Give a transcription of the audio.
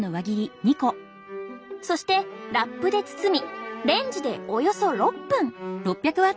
そしてラップで包みレンジでおよそ６分。